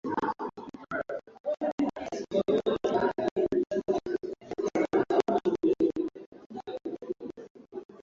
nchi zao Afrika Muammar Gaddafi Aliiongoza Liya kwa zaidi ya miongo minne Utawala wake